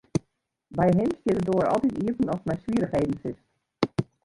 By him stiet de doar altyd iepen ast mei swierrichheden sitst.